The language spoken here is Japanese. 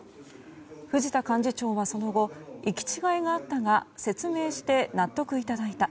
藤田幹事長はその後行き違いがあったが説明して納得いただいた。